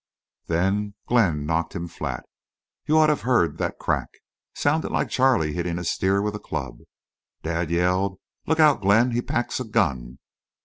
"Then Glenn knocked him flat. You ought to have heard that crack. Sounded like Charley hitting a steer with a club. Dad yelled: 'Look out, Glenn. He packs a gun!